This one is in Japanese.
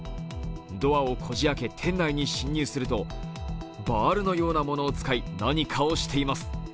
ドアをこじ開け店内に侵入すると、バールのようなものを使い何かをしています。